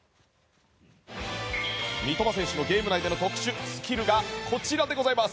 三笘選手のゲーム内での特殊スキルがこちらです。